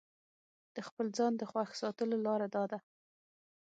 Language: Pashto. د خپل ځان د خوښ ساتلو لاره داده.